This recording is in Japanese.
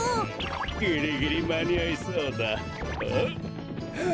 ぎりぎりまにあいそうだ。ああ？